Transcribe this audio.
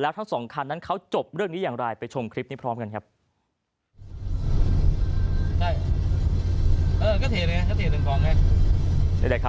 แล้วทั้งสองคันนั้นเขาจบเรื่องนี้อย่างไรไปชมคลิปนี้พร้อมกันครับ